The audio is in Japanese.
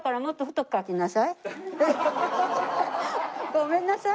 ごめんなさい。